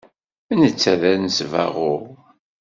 Netta d anesbaɣur.